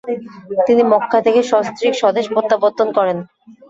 তিনি মক্কা থেকে সস্ত্রীক স্বদেশ প্রত্যাবর্তন করেন।